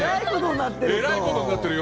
えらいことになってると。